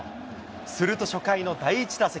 すると初回の第１打席。